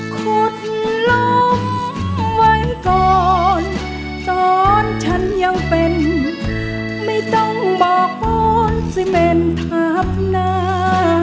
ขุดล้มไว้ก่อนสอนฉันยังเป็นไม่ต้องบอกฟ้อนสิเม่นทับหน้า